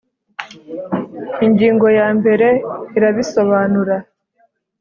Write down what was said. ingingo ya mbere irabisobanura